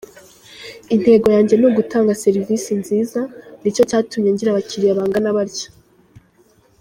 Intego yanjye ni ugutanga serivisi nziza, ni cyo cyatumye ngira abakiliya bangana batya.